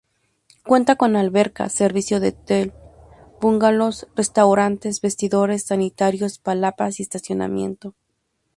Cuenta con alberca, servicio de hotel, bungalows, restaurante, vestidores, sanitarios, palapas y estacionamiento.